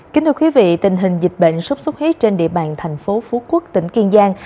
kính thưa quý vị tình hình dịch bệnh sốt xuất huyết trên địa bàn thành phố phú quốc tỉnh kiên giang